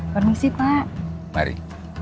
permisi pak mari